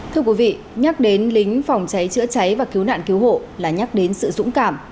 thưa quý vị nhắc đến lính phòng cháy chữa cháy và cứu nạn cứu hộ là nhắc đến sự dũng cảm